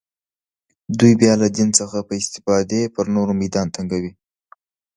دوی بیا له دین څخه په استفاده سره پر نورو میدان تنګوي